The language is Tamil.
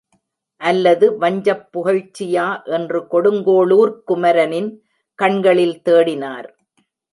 அல்லது வஞ்சப் புகழ்ச்சியா என்று கொடுங்கோளுர்க் குமரனின் கண்களில் தேடினார்.